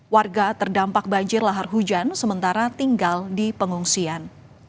warga terdampak banjir lahar hujan sementara tinggal di pengungsian